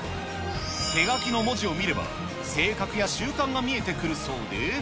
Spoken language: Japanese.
手書きの文字を見れば、性格や習慣が見えてくるそうで。